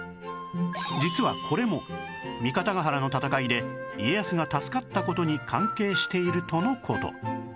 実はこれも三方ヶ原の戦いで家康が助かった事に関係しているとの事